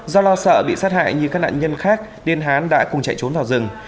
do lo sợ bị sát hại như các nạn nhân khác nên hán đã cùng chạy trốn vào rừng